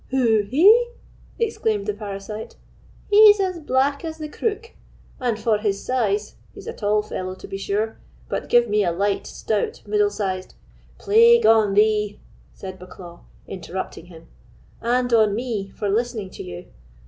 "Who—he?" exclaimed the parasite. "He's as black as the crook; and for his size—he's a tall fellow, to be sure, but give me a light, stout, middle sized——" "Plague on thee!" said Bucklaw, interrupting him, "and on me for listening to you!